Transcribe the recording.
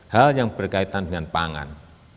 hal yang berkaitan dengan pangan